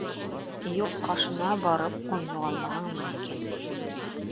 Юҡ ҡашына барып ҡун юғалмаһаң, миңә кил.